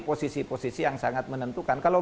posisi posisi yang sangat menentukan kalau